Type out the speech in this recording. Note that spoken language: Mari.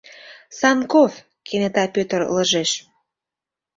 Санков! — кенета Пӧтыр ылыжеш.